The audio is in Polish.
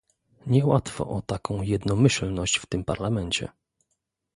Niełatwo o taką jednomyślność w tym Parlamencie